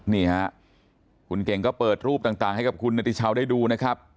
นี่ฮะคุณเก่งก็เปิดรูปต่างให้กับคุณนาฬิชาวได้ดูนะครับ